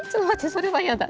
それは嫌だ。